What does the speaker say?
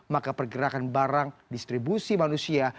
maka pergerakan barang distribusi manusia